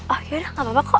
oh yaudah gapapa kok